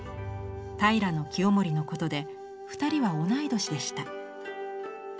平清盛のことで２人は同い年でした。